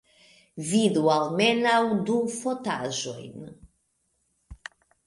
Vidu almenaŭ la fotaĵojn!